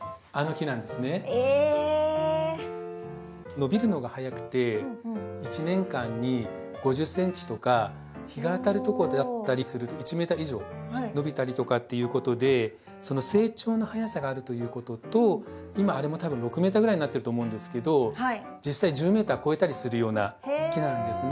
伸びるのがはやくて１年間に５０ｃｍとか日が当たるとこだったりすると１ｍ以上伸びたりとかっていうことでその成長のはやさがあるということと今あれも多分６ｍぐらいになってると思うんですけど実際１０ｍ超えたりするような木なんですね。